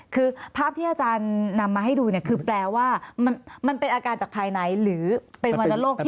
คือภาพที่อาจารย์นำมาให้ดูเนี่ยคือแปลว่ามันเป็นอาการจากภายในหรือเป็นวรรณโรค